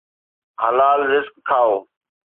حلال رزق کائو.